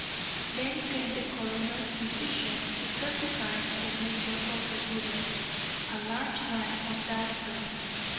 Then came the coroner's physician, who certified to the nature of the bullet, a large one undoubtedly.